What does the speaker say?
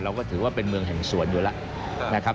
เราก็ถือว่าเป็นเมืองแห่งสวนอยู่แล้วนะครับ